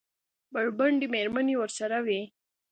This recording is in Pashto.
بربنډې مېرمنې ورسره وې.